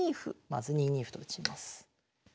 まず２二歩と打ちます。